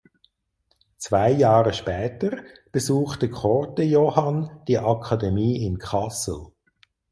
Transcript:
Zwei Jahre später besuchte Kortejohann die Akademie in Kassel.